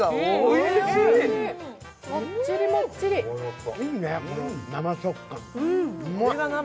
いいね、この生食感。